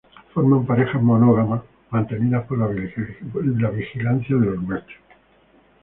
Forman parejas monógamas, mantenidas por la vigilancia de los machos.